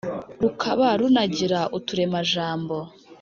rukaba runagira uturemajambo